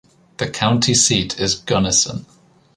The county seat is Gunnison.